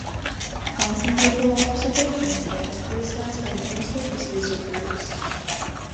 Constant visual observations have been criticised by many service user groups.